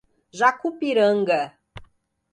Jacupiranga